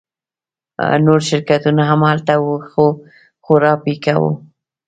نور شرکتونه هم هلته وو خو خورا پیکه وو